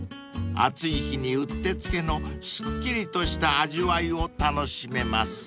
［暑い日にうってつけのすっきりとした味わいを楽しめます］